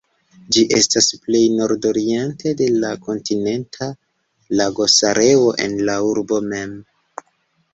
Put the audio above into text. Ĝi estas plej nordoriente de la Kontinenta Lagosareo en la urbo mem.